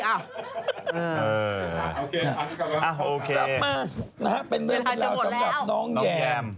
เวลาทางจะหมดแล้ว